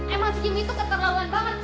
emang si kim itu keterlaluan banget